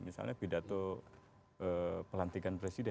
misalnya pidato pelantikan presiden